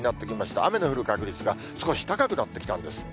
雨の降る確率が少し高くなってきたんです。